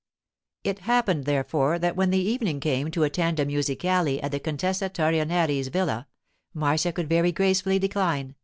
It happened therefore that when the evening came to attend a musicale at the Contessa Torrenieri's villa, Marcia could very gracefully decline.